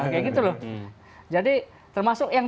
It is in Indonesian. kayak gitu loh jadi termasuk yang